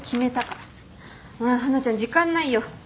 ほら華ちゃん時間ないよ。